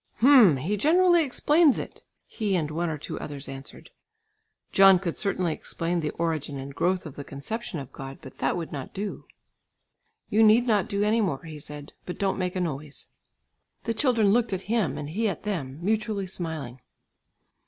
"Hm! he generally explains it," he and one or two others answered. John could certainly explain the origin and growth of the conception of God, but that would not do. "You need not do any more," he said, "but don't make a noise." The children looked at him, and he at them mutually smiling.